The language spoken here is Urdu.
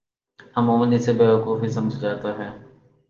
عموما اسے بیوقوف ہی سمجھا جاتا ہے۔